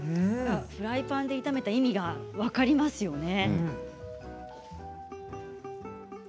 フライパンで炒めた意味が分かりますよね。